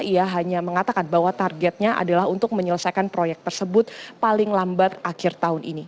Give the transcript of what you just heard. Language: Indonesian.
ia hanya mengatakan bahwa targetnya adalah untuk menyelesaikan proyek tersebut paling lambat akhir tahun ini